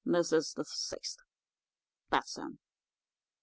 This is the sixth. That's him.